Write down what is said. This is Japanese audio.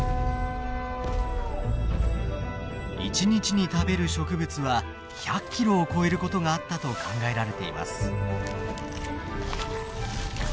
一日に食べる植物は１００キロを超えることがあったと考えられています。